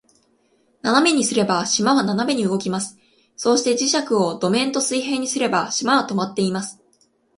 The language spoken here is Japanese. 斜めにすれば、島は斜めに動きます。そして、磁石を土面と水平にすれば、島は停まっています。